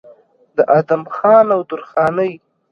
د ادم خان او درخانۍ